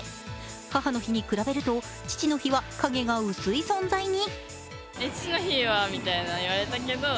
母の日に比べると父の日は影が薄い存在に。